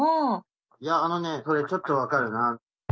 いやあのねそれちょっと分かるな。